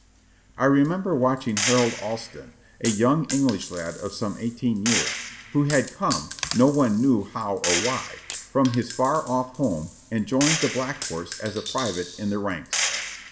I remember watching Harold Alston, a young English lad of some eighteen years, who had come, no one knew how or why, from his far off home and joined the Black Horse as a private in the ranks.